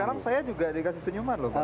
sekarang saya juga dikasih senyuman loh